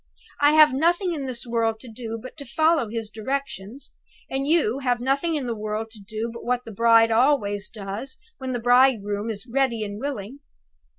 I have nothing in the world to do but to follow his directions; and you have nothing in the world to do but what the bride always does when the bridegroom is ready and willing!"